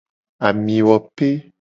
Amiwope.